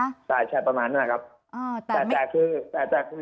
ใช่ใช่ประมาณนั้นครับ